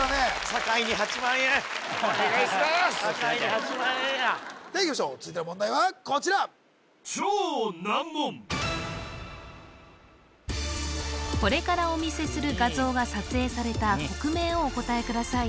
酒井に８万円やではいきましょう続いての問題はこちらこれからお見せする画像が撮影された国名をお答えください